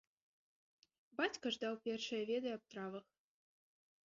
Бацька ж даў першыя веды аб травах.